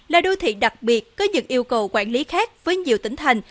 là đô thị đặc biệt có những yêu cầu quản lý khác với nhiều tỉnh thành